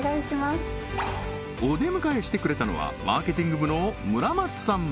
お出迎えしてくれたのはマーケティング部の村松さん